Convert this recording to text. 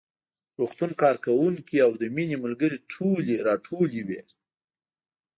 روغتون کارکوونکي او د مينې ملګرې ټولې راټولې وې